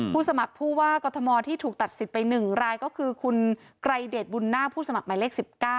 สมัครผู้ว่ากรทมที่ถูกตัดสิทธิ์ไป๑รายก็คือคุณไกรเดชบุญหน้าผู้สมัครหมายเลข๑๙